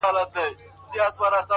ملا فتواء ورکړه ملا يو ښايست وواژه خو;